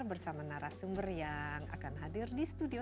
bersama narasumber yang akan hadir di studio